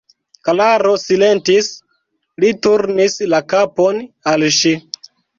Klaro silentis; li turnis la kapon al ŝi.